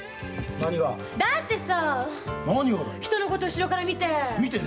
だってさぁ人のこと、後ろから見て。